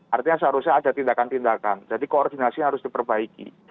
artinya seharusnya ada tindakan tindakan jadi koordinasi harus diperbaiki